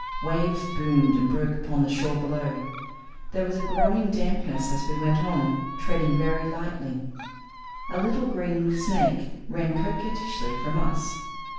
Waves boomed and broke upon the shore below. There was a growing dampness as we went on, treading very lightly. A little green snake ran coquettishly from us.